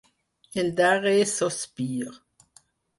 El darrer sospir.